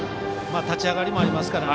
立ち上がりもありますから。